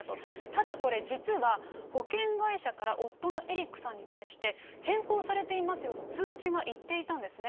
ただこれ、実は、保険会社から夫のエリックさんに対して、変更されていますよと通知が行っていたんですね。